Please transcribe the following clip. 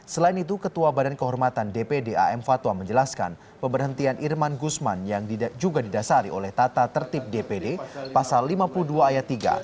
selain itu ketua badan kehormatan dpd am fatwa menjelaskan pemberhentian irman gusman yang juga didasari oleh tata tertib dpd pasal lima puluh dua ayat tiga